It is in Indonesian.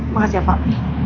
makasih ya pak